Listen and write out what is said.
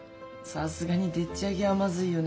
さすがにでっちあげはまずいよねえ。